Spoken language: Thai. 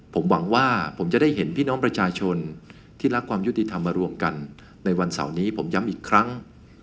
ผมหวังว่าผมจะได้เห็นพี่น้องประชาชนที่รักความยุติธรรมมารวมกันในวันเสาร์นี้ผมย้ำอีกครั้ง